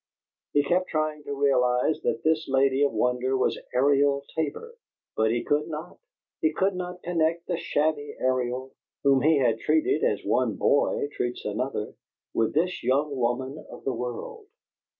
He kept trying to realize that this lady of wonder was Ariel Tabor, but he could not; he could not connect the shabby Ariel, whom he had treated as one boy treats another, with this young woman of the world.